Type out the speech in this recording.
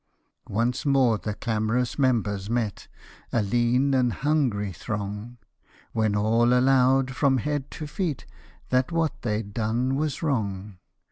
43 Once more the clam'rous members met, A lean and hungry throng ; When all allow'd from head to feet, That what they'd done was wrong.